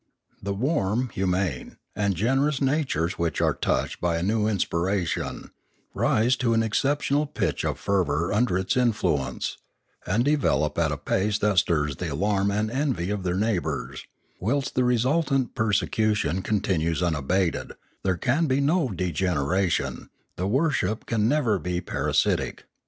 The warm, hu mane, and generous natures which are touched by a new inspiration, rise to an exceptional pitch of fervour under its influence, and develop at a pace that stirs the alarm and envy of their neighbours; whilst the result ant persecution continues unabated, there can be no degeneration, the worship can never be parasitic.